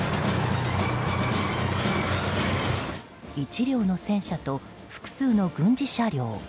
１両の戦車と複数の軍事車両。